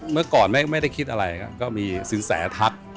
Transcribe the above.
เมื่อก่อนไม่ได้คิดอะไรครับก็มีสินแสทัก